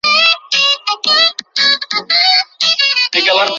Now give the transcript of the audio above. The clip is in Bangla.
পুরো বাড়ী খুঁজেছো?